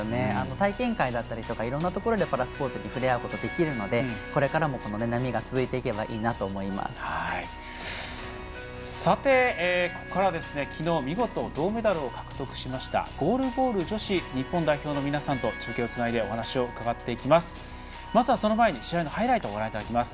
体験会だったりいろいろなところでパラスポーツ触れ合えるのでこれからも、その波がここからは昨日見事銅メダルを獲得しましたゴールボール女子日本代表の皆さんと中継をつないでお話を伺っていきます。